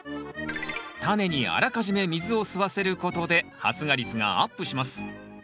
タネにあらかじめ水を吸わせることで発芽率がアップします。